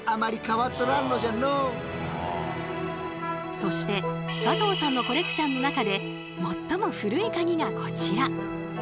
そして加藤さんのコレクションの中で最も古い鍵がこちら。